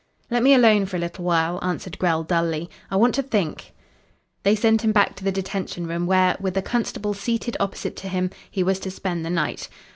"Let me alone for a little while," answered Grell dully; "I want to think." They sent him back to the detention room where, with a constable seated opposite to him, he was to spend the night.